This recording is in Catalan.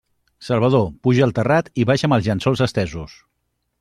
Salvador, puja al terrat i baixa'm els llençols estesos!